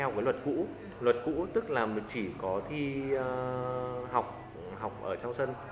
học với luật cũ luật cũ tức là chỉ có thi học học ở trong sân